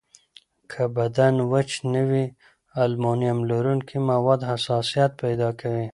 که بدن وچ نه وي، المونیم لرونکي مواد حساسیت پیدا کوي.